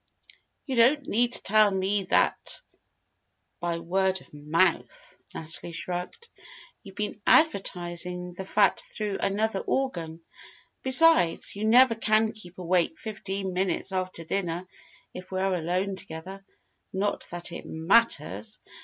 "You don't need to tell me that by word of mouth," Natalie shrugged. "You've been advertising the fact through another organ. Besides, you never can keep awake fifteen minutes after dinner if we're alone together. Not that it matters!